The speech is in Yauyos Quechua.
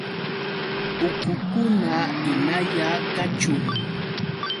¡Uqukuna hinalla kachun!